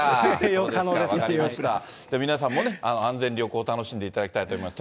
皆さんもね、安全旅行楽しんでいただきたいと思います。